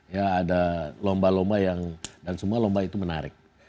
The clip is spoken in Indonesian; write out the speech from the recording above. ya ada lomba lomba yang dan semua lomba itu menarik